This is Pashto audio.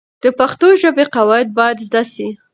د پښتو ژبې قواعد باید زده سي.